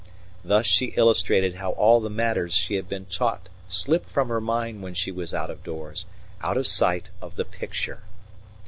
Thus she illustrated how all the matters she had been taught slipped from her mind when she was out of doors, out of sight of the picture.